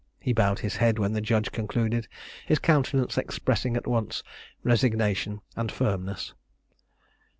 He bowed his head when the judge concluded, his countenance expressing at once resignation and firmness.